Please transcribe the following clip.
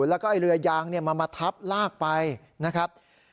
แล้วก็เรือยางมาทับลากไปนะครับ